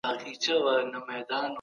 ځکه نو د مجلس ټاکل ډېر مهم دي.